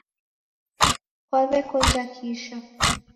Kwaw'ekonja kisha